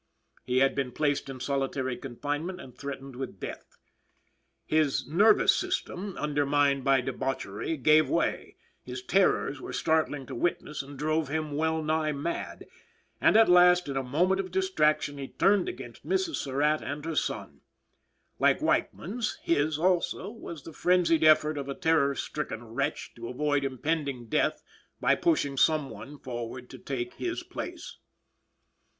He had been placed in solitary confinement and threatened with death. His nervous system, undermined by debauchery, gave way; his terrors were startling to witness and drove him well nigh mad, and, at last, in a moment of distraction, he turned against Mrs. Surratt and her son. Like Weichman's, his, also, was the frenzied effort of a terror stricken wretch to avoid impending death by pushing someone forward to take his place.